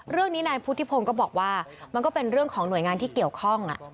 เรื่องนี้นายพุทธิพงศ์ก็บอกว่ามันก็เป็นเรื่องของหน่วยงานที่เกี่ยวข้อง